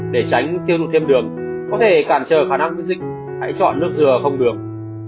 để tránh tiêu dùng thêm đường có thể cản trời khả năng biến dịch hãy chọn nước dừa không đường